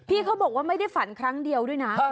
เขาบอกว่าไม่ได้ฝันครั้งเดียวด้วยนะ